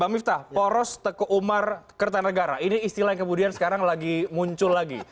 pak miftah poros teku umar kertanegara ini istilah yang kemudian sekarang lagi muncul lagi